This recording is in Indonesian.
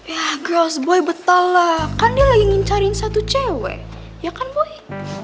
yah girls boy betahlah kan dia lagi ngincarin satu cewek ya kan boy